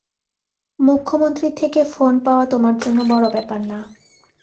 মুখ্যমন্ত্রীর থেকে ফোন পাওয়া তোমার জন্য বড় ব্যাপার না।